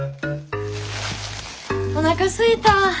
おなかすいた。